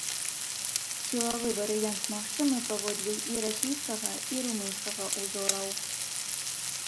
Сілавы варыянт магчымы паводле і расійскага, і румынскага ўзораў.